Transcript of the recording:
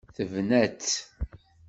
Tebna-tt.